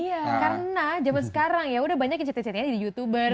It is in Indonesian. karena zaman sekarang ya udah banyak yang ceritain ceritain jadi youtuber